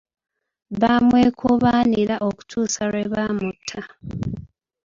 Bamwekobaanira okutuusa lwe baamutta.